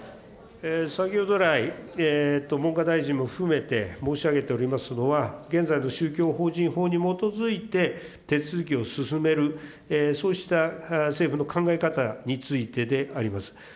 先ほど来、文科大臣も含めて、申し上げておりますのは、現在の宗教法人法に基づいて、手続きを進める、そうした政府の考え方についてであります。